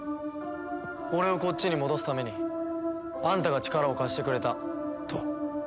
俺をこっちに戻すためにあんたが力を貸してくれたと。